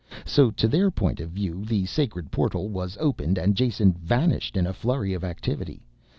So to their point of view the sacred portal was opened and Jason vanished in a flurry of activity.